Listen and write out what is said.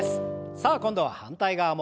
さあ今度は反対側も。